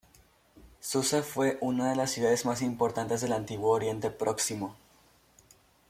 Susa fue una de las ciudades más importantes del Antiguo Oriente Próximo.